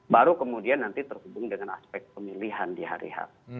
baru kemudian nanti terhubung dengan aspek pemilihan di hari h